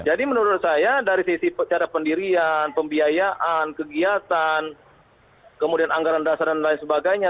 jadi menurut saya dari sisi cara pendirian pembiayaan kegiatan kemudian anggaran dasar dan lain sebagainya